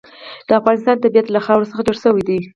د افغانستان طبیعت له خاوره څخه جوړ شوی دی.